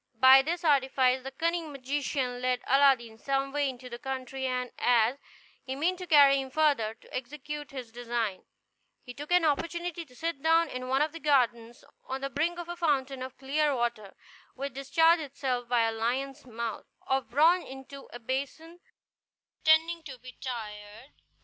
By this artifice the cunning magician led Aladdin some way into the country; and as, he meant to carry him further, to execute his design, he took an opportunity to sit down in one of the gardens, on the brink of a fountain of clear water, which discharged itself by a lion's mouth of bronze into a basin, pretending to be tired.